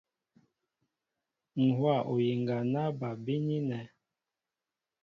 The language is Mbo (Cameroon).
Ŋ̀ hówa oyiŋga ná bal bínínɛ̄.